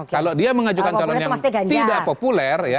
kalau dia mengajukan calon yang tidak populer